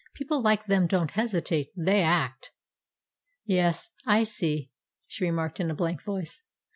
"People like them don't hesitate they act." "Yes, I see," she remarked in a blank voice.